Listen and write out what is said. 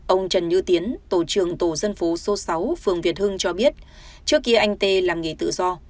ông trần như tiến tổ trưởng tổ dân phố số sáu phường việt hưng cho biết trước kia anh tê làm nghề tự do